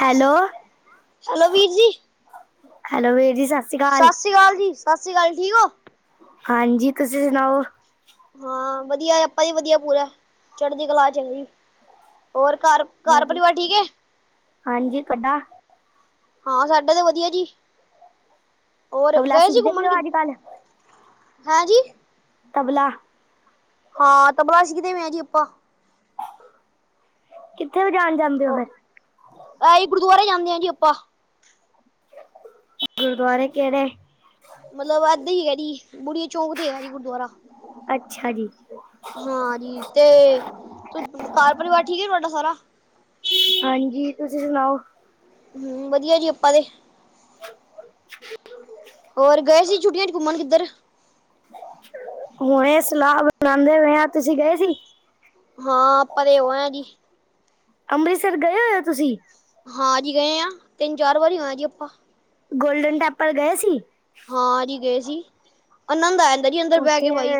Hello hello, ਵੀਰ ਜੀ hello ਵੀਰ ਜੀ ਸ਼੍ਰੀ ਅਕਾਲ। ਸਤਿ ਸ਼੍ਰੀ ਅਕਾਲ ਜੀ, ਸਤਿ ਸ਼੍ਰੀ ਅਕਾਲ, ਠੀਕ ਹੋ ਹਾਂਜੀ, ਤੁਸੀਂ ਸੁਣਾਓ- ਹਾਂ, ਵਧੀਆ ਆਪਾਂ ਵੀ ਵਧੀਆ ਪੂਰੀ ਚੜ੍ਹਦੀ ਕਲਾ ਚ ਹੈ ਜੀ, ਹੋਰ ਘਰ ਘਰ ਪਰਿਵਾਰ ਠੀਕ ਹੈ- ਹਾਂਜੀ ਕੱਡਾ ਹਾਂ ਸਾਡਾ ਤਾਂ ਵਧੀਆ ਜੀ, ਹੋਰ ਤਬਲਾ ਗਏ ਸੀ ਸਿੱਖਦੇ ਪਏ ਘੁੰਮਣ ਕਿ ਹੋ ਅੱਜ ਕੱਲ ਹਾਂਜੀ- ਤਬਲਾ। ਹਾਂ, ਤਬਲਾ ਸਿੱਖਦੇ ਪਏ ਜੀ ਆਪਾਂ। ਕਿੱਥੇ ਵਜਾਣ ਜਾਂਦੇ। ਹੋ ਫਿਰ ਉਹ ਆਹੀ ਗੁਰਦੁਆਰੇ ਜਾਂਦੇ ਆ ਜੀ ਆਪਾਂ। ਗੁਰਦੁਆਰੇ ਕਿਹੜੇ? ਮਤਲਬ ਇੱਦਾਂ ਹੀ ਹੈਗਾ ਜੀ, ਬੁੜੀਆ ਚੌਂਕ ਤੇ ਹੈਗਾ ਜੀ ਗੁਰਦੁਆਰਾ। ਅੱਛਾ ਜੀ ਹਾਂਜੀ ਤੇ ਘਰ ਪਰਿਵਾਰ ਠੀਕ ਹੈ ਤੁਹਾਡਾ ਸਾਰਾ ਹਾਂਜੀ ਤੁਸੀਂ ਸੁਣਾਓ ਹਮ ਵਧੀਆ ਜੀ ਆਪਾਂ ਤੇ ਹੋਰ ਗਏ ਸੀ ਛੁਟੀਆ 'ਚ ਘੁੰਮਣ ਕਿੱਧਰ ਹੁਣੇ ਸਲਾਹ ਬਣਾਉਦੇ ਪਏ ਆ, ਤੁਸੀਂ ਗਏ ਸੀ ਹਾਂ ਆਪਾਂ ਤੇ ਹੋ ਆਏ ਆ ਜੀ ਅੰਮ੍ਰਿਤਸਰ ਗਏ ਹੋ ਹੋ ਤੁਸੀਂ ਹਾਂ ਜੀ ਗਏ ਆ, ਤਿੰਨ ਚਾਰ ਵਾਰੀ ਹੋ ਆਏ ਜੀ ਆਪਾਂ ਗੋਲਡਨ ਟੈਂਪਲ ਗਏ ਸੀ ਹਾਂ ਜੀ ਗਏ ਸੀ। ਆਨੰਦ ਆ ਜਾਂਦਾ ਜੀ ਅੰਦਰ ਬਹਿ ਕੇ ਬਾਈ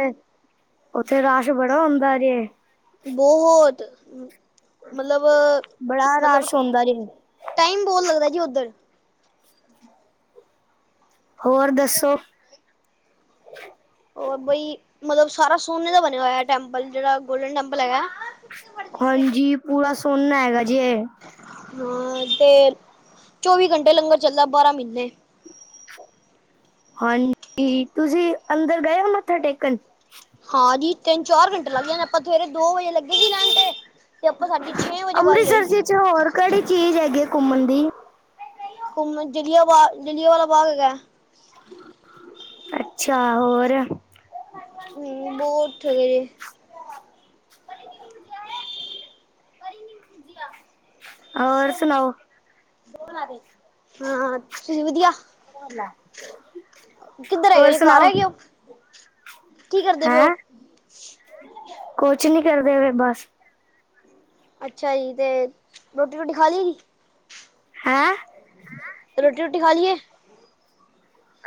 ਉੱਥੇ ਰਸ਼ ਬੜਾ ਹੁੰਦਾ ਜੇ। ਬਹੁਤ ਮਤਲਬ ਬੜਾ ਮਤਲਬ ਰਸ਼ ਹੁੰਦਾ ਜੇ ਟਾਈਮ ਬਹੁਤ ਲੱਗਦਾ ਜੀ ਉੱਧਰ। ਹੋਰ ਦੱਸੋ? ਉਹ ਬਈ ਮਤਲਬ ਸਾਰਾ ਸੋਨੇ ਦਾ ਬਣਿਆ ਹੋਇਆ ਟੈਂਪਲ ਜਿਹੜਾ ਗੋਲਡਨ ਟੈਂਪਲ ਹੈਗਾ। ਹਾਂਜੀ ਪੂਰਾ ਸੋਨਾ ਹੈਗਾ ਜੀ ਏ। ਹਾਂ ਤੇ ਚੌਵੀ ਘੰਟੇ ਲੰਗਰ ਚੱਲਦਾ ਬਾਰਾਂ ਮਹੀਨੇ। ਹਾਂਜੀ ਤੁਸੀਂ ਅੰਦਰ ਗਏ ਹੋ ਮੱਥਾ ਟੇਕਣ। ਹਾਂ ਜੀ। ਤਿੰਨ ਚਾਰ ਘੰਟੇ ਲੱਗ ਜਾਦੇ ਆਪਾਂ ਸਵੇਰੇ ਦੋ ਵੱਜੇ ਲੱਗੇ ਸੀ ਲੈਣ ਤੇ, ਤੇ ਆਪਾਂ ਸਾਡੀ ਛੇ ਵਜੇ ਵਾਰੀ ਆਈ। ਅੰਮ੍ਰਿਤਸਰ ਜੀ ਚ ਹੋਰ ਕਿਹੜੀ ਚੀਜ਼ ਹੈਗੀ ਘੁੰਮਣ ਦੀ। ਘੁੰਮਣ ਚ ਜਲਿਆਂਵਾਲਾ ਬਾਗ ਹੈਗਾ। ਅੱਛਾ ਹੋਰ? ਨਿੰਬੂ ਉੱਠ ਗਏ ਹੋਰ ਸੁਣਾਓ? ਹਾਂ ਤੁਸੀਂ ਵਧੀਆ [unintelligible] ਕਿੱਧਰ ਹੋਰ ਹੈਗੇ ਘਰ ਸੁਣਾਓ ਹੈਗੇ ਹੋ, ਕੀ ਕਰਦੇ ਪਏ ਹੋ। ਕੁਝ ਨੀ ਕਰਦੇ ਪਏ ਬਸ। ਅੱਛਾ ਜੀ ਤੇ ਰੋਟੀ ਰੁਟੀ ਖਾ ਲਈਏ ਹੈ। ਰੋਟੀ ਰੁਟੀ ਖਾ ਲਈ ਹੈ।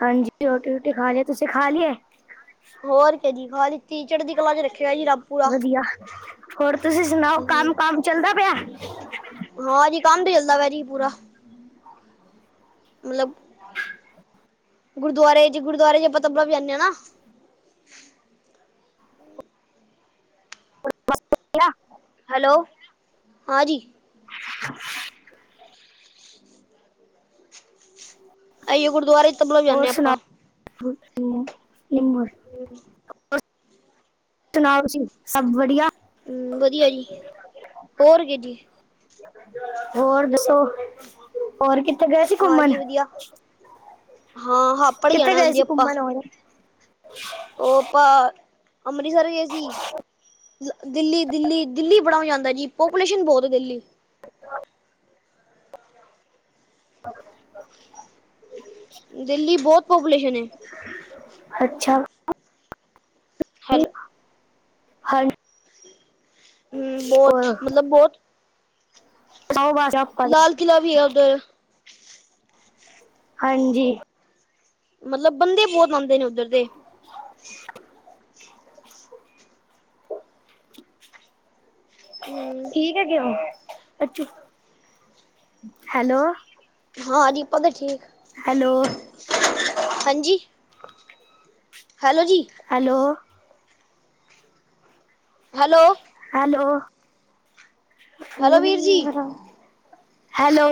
ਹਾਂਜੀ ਰੋਟੀ ਰੁਟੀ ਖਾ ਲੀ ਤੁਸੀਂ ਖਾ ਲਈ ਹੈ। ਹੋਰ ਕਿ ਜੀ ਖਾ ਲਿਤੀ ਚੜ੍ਹਦੀ ਕਲਾ ਚ ਰੱਖਿਆ ਜੀ ਰੱਬ ਪੂਰਾ। ਵਧੀਆ ਹੋਰ ਤੁਸੀਂ ਸੁਣਾਓ ਹਮ ਕੰਮ ਕੰਮ ਚੱਲਦਾ ਪਿਆ। ਹਾਂ ਜੀ ਕੰਮ ਅੱਲਾ ਵੈਰੀ ਪੂਰਾ। ਮਤਲਬ ਗੁਰਦੁਆਰੇ ਜ ਗੁਰਦੁਆਰੇ ਚ ਆਪਾਂ ਤਬਲਾ ਵਜਾਂਦੇ ਹਾਂ ਨਾ। [unintelligible] ਹੈਲੋ ਹਾਂਜੀ। [unintelligible] ਅਈਏ ਗੁਰਦੁਆਰੇ ਚ ਤਬਲਾ ਹੋਰ ਵਜਾਂਦੇ ਸੁਣਾਓ ਆਪਾਂ। [unintelligible] ਹੂ,,, ਤਨਾਵ ਸੀ ਸਭ ਵਧੀਆਂ। ਹੂ ਵਧੀਆਂ ਜੀ ਹੋਰ ਕਿ ਜੀ। ਹੋਰ ਦੱਸੋਂ ਹੋਰ ਕਿਥੇ ਕਿਤੇ ਗਏ ਸੀ ਹਾਂ ਘੁੰਮਣ ਜੀ ਵਧੀਆ ਹਾਂ ਹਾਪੜ ਕਿੱਥੇ ਜਾਣਾ ਗਏ ਹੁੰਦੀ ਸੀ ਆਪਾਂ ਘੁੰਮਣ ਹੁਣ। [inaudible] ਉਹ ਆਪਾਂ ਅੰਮ੍ਰਿਤਸਰ ਗਏ ਸੀ। ਦਿੱਲੀ ਦਿੱਲੀ ਦਿੱਲੀ ਬੜਾ ਮਜ਼ਾ ਆਉਂਦਾ ਜੀ ਪੋਪੂਲੇਸ਼ਨ ਬਹੁਤ ਹੈ ਦਿੱਲੀ। [unintelligible] ਦਿੱਲੀ ਬਹੁਤ ਪਾਪੂਲੇਸ਼ਨ ਹੈ। ਅੱਛਾ। ਹੈਲੋ। ਹਾਂਜੀ। ਹੂ ਬਹੁਤ ਹੋਰ ਮਤਲਬ ਬਹੁਤ। ਸੌਂ ਖਾ ਲਿਆ ਆਪਾਂ ਨਹੀਂ ਕਿਲਾਂ ਵੀ ਉੱਧਰ। ਹਾਂਜੀ। ਮਤਲਬ ਬੰਦੇ ਬਹੁਤ ਹੁੰਦੇ ਨੇ ਉੱਧਰ ਦੇ। ਹੂ,,, ਠੀਕ ਹੈਗੇ ਹੋ ਹੈਲੋ। ਹਾਂ ਜੀ ਆਪਾ ਤੇ ਠੀਕ ਹੈਲੋ। ਹਾਂਜੀ। ਹੈਲੋ ਜੀ। Hello. Hello. Hello hello phone ਹੀ ਵੀਰ ਜੀ ਨੀਂ ਆਇਆ। ਹੈਲੋ।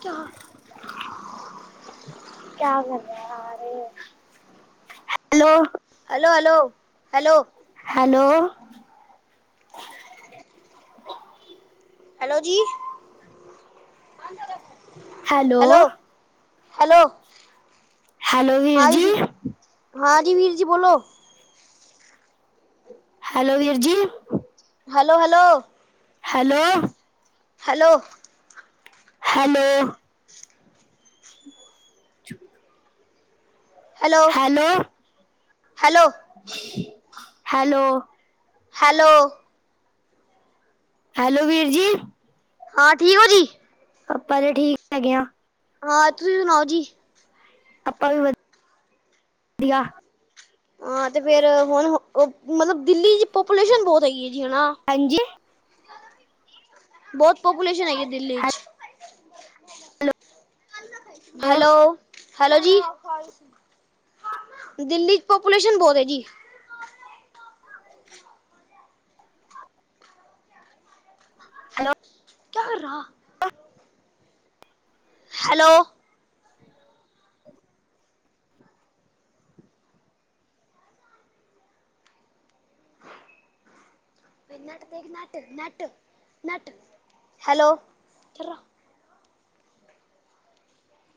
ਕਿਉਂ। [inaudible] ਕਿਆ ਕਰ ਰਾ ਯਾਰ। Hello hello, hello, hello. Hello. Hello ਜੀ ਹੈਲੋ। ਹੈਲੋ ਹੈਲੋ ਵੀਰ ਜੀ ਹਾਂਜੀ। ਹਾਂਜੀ ਵੀਰ ਜੀ ਬੋਲੋਂ। ਹੈਲੋ ਵੀਰ ਜੀ। Hello, hello hello. Hello. Hello. [inaudible] Hello hello -hello. Hello. Hello ਵੀਰ ਜੀ। ਹਾਂ ਠੀਕ ਹੋ ਜੀ। ਆਪਾਂ ਤਾਂ ਠੀਕ ਹੈਗੇ ਆ। ਹਾਂ ਤੁਸੀਂ ਸੁਣਾਓ ਜੀ। ਆਪਾਂ ਵੀ- ਵਧੀਆਂ। ਹਾਂ ਤੇ, ਫ਼ਿਰ ਹੁਣ ਮੱਤਲਬ ਦਿੱਲੀ ਚ ਪਾਪੂਲੇਸ਼ਨ ਬਹੁਤ ਹੈਗੀ ਹੈਂ ਜੀ ਨਾ ਹਨਾ। ਹਾਂਜੀ। ਬਹੁਤ ਪਾਪੂਲੇਸ਼ਨ ਹੈਗੀ ਦਿੱਲੀ ਚ'। ਹੈਲੋ ਹੈਲੋ, ਹੈਲੋ ਜੀ, ਦਿੱਲੀ ਪਾਪੂਲੇਸ਼ਨ ਬਹੁਤ ਜੀ, ਹੈਲੋ, ਕਿਆ ਕਰ ਰਿਹਾ। ਹੈਲੋ, ਟ ਨ ਨਟ, ਹੈਲੋ,